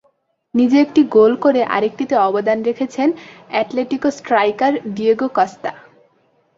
নিজে একটি গোল করে আরেকটিতে অবদান রেখেছেন অ্যাটলেটিকো স্ট্রাইকার ডিয়েগো কস্তা।